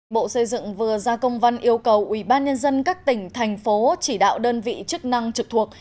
bộ xây dựng vừa ra công văn yêu cầu ubnd các tỉnh thành phố chỉ đạo đơn vị chức năng trực thuộc